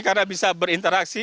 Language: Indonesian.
karena bisa berinteraksi